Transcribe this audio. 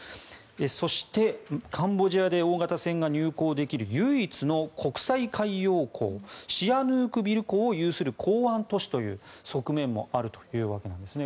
そして、カンボジアで大型船が入港できる唯一の国際海洋港シアヌークビル港を有する港湾都市という側面もあるというわけなんですね。